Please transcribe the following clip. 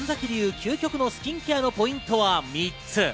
究極のスキンケアのポイントは３つ。